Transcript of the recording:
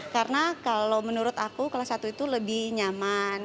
karena kalau menurut aku kelas satu itu lebih nyaman